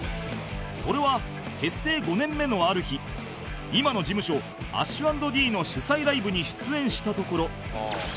それは結成５年目のある日今の事務所 ＡＳＨ＆Ｄ の主催ライブに出演したところ